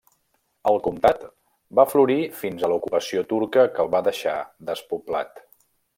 El comtat va florir fins a l'ocupació turca que el va deixar despoblat.